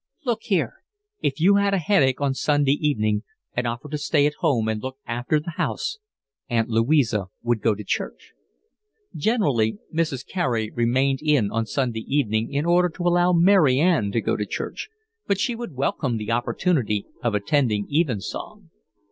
"Look here, if you had a headache on Sunday evening and offered to stay at home and look after the house, Aunt Louisa would go to church." Generally Mrs. Carey remained in on Sunday evening in order to allow Mary Ann to go to church, but she would welcome the opportunity of attending evensong.